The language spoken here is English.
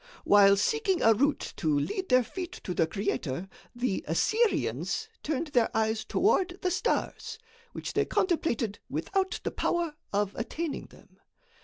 "While seeking a route to lead their feet to the Creator, the Assyrians turned their eyes toward the stars, which they contemplated without the power of attaining them.